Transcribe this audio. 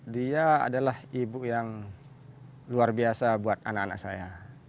dia adalah ibu yang luar biasa buat anak anak saya